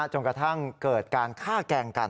จนกระทั่งเกิดการฆ่าแกล้งกัน